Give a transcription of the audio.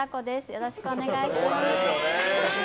よろしくお願いします。